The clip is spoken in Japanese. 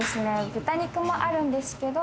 豚肉もあるんですけど○